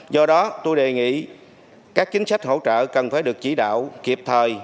do đó tôi đề nghị các chính sách hỗ trợ cần phải được chỉ đạo kịp thời